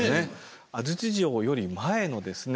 安土城より前のですね